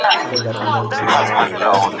موږ بايد خپلي سرچينې وپېژنو.